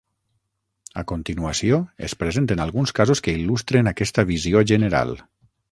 A continuació, es presenten alguns casos que il·lustren aquesta visió general.